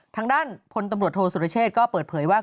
ทางด้านพลตำรวจโทษสุรเชษฐ์ก็เปิดเผยว่า